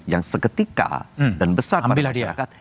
yang seketika dan besar pada masyarakat